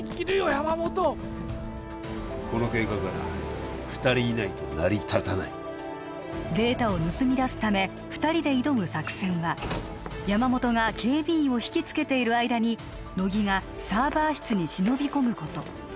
山本この計画はな２人いないと成り立たないデータを盗み出すため２人で挑む作戦は山本が警備員を引きつけている間に乃木がサーバー室に忍び込むこと